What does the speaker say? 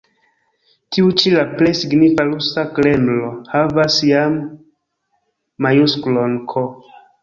Tiu ĉi la plej signifa rusa Kremlo havas jam majusklon „K“.